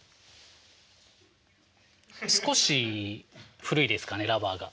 少し古いですかねラバーが。